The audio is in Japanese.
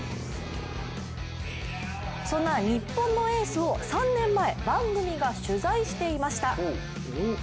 そんな日本のエースを３年前番組が取材していました。